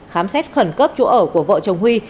khám xét khẩn cấp chỗ ở của vợ chồng huy